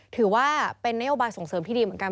ถือว่าเป็นนโยบายส่งเสริมที่ดีเหมือนกัน